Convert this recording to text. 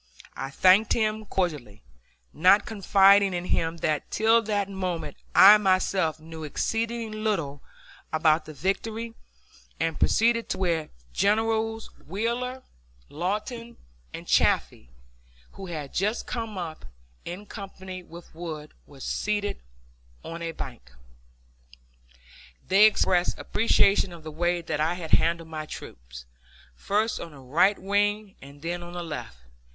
I thanked him cordially, not confiding in him that till that moment I myself knew exceeding little about the victory; and proceeded to where Generals Wheeler, Lawton, and Chaffee, who had just come up, in company with Wood, were seated on a bank. They expressed appreciation of the way that I had handled my troops, first on the right wing and then on the left!